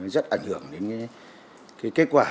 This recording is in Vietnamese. rất ảnh hưởng đến kết quả